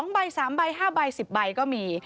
๒ใบ๓ใบ๕ใบ๑๐ใบก็มี